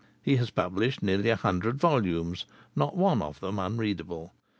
He has published nearly a hundred volumes, not one of them unreadable.